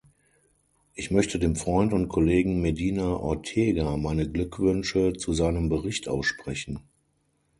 Ich möchte dem Freund und Kollegen Medina Ortega meine Glückwünsche zu seinem Bericht aussprechen.